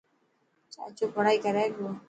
چاچو پڙهائي ڪري پيو.